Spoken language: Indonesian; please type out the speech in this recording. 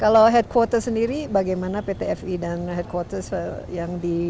kalau headquarters sendiri bagaimana pt fi dan headquarters yang di amerika